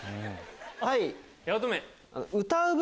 はい。